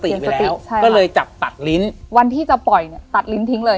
สติใช่ก็เลยจับตัดลิ้นวันที่จะปล่อยเนี่ยตัดลิ้นทิ้งเลย